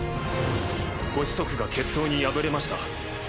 ご子息が決闘に敗れました。